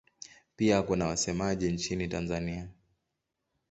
Pia kuna wasemaji nchini Tanzania.